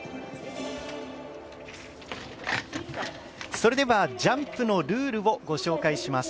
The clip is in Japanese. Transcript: それではジャンプのルールをご紹介します。